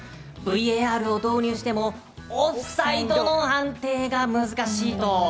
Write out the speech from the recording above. ＶＡＲを導入してもオフサイドの判定が難しいと。